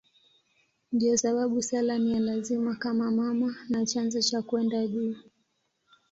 Ndiyo sababu sala ni ya lazima kama mama na chanzo cha kwenda juu.